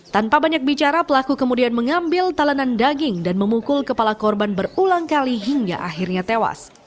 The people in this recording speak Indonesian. tanpa banyak bicara pelaku kemudian mengambil talanan daging dan memukul kepala korban berulang kali hingga akhirnya tewas